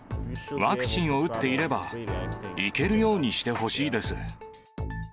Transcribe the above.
ワクチンを打っていれば、行けるようにしてほしいです。